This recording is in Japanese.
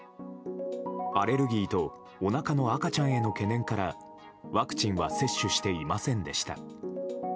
アレルギーとおなかの赤ちゃんへの懸念からワクチンは接種していませんでした。